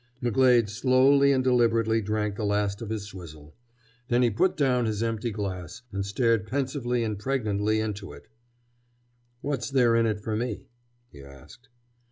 McGlade slowly and deliberately drank the last of his swizzle. Then he put down his empty glass and stared pensively and pregnantly into it. "What's there in it for me?" he asked.